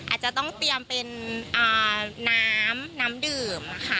อาจจะต้องเตรียมเป็นน้ำน้ำดื่มค่ะ